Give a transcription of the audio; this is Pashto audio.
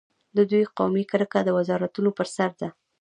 د دوی قومي کرکه د وزارتونو پر سر ده.